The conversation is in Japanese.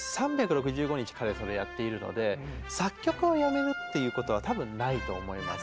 ３６５日彼はそれをやっているので作曲をやめるっていうことは多分ないと思います。